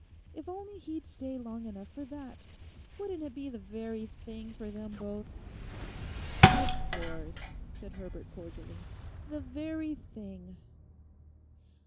If only he'd stay long enough for that. Wouldn't it be the very thing for them both!' 'Of course,' said Herbert cordially, 'the very thing.